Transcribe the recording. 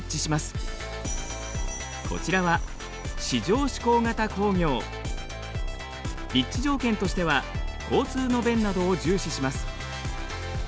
こちらは立地条件としては交通の便などを重視します。